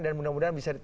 dan mudah mudahan bisa